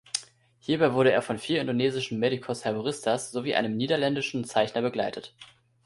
Hierbei wurde er von vier indonesischen „Medicos-Herboristas“ sowie einem niederländischen Zeichner begleitet.